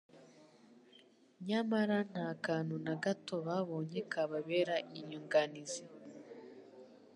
nyamara nta kantu na gato babonye kababera inyunganizi.